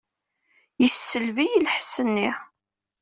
Yessesleb-iyi lḥess-nni.